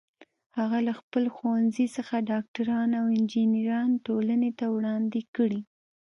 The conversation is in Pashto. هغه له خپل ښوونځي څخه ډاکټران او انجینران ټولنې ته وړاندې کړي